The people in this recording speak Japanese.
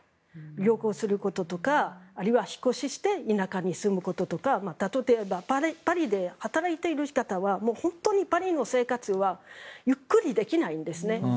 旅行することとかあるいは引っ越しして田舎に住むこととか例えばパリで働いている方は本当にパリの生活はゆっくりできないんですね。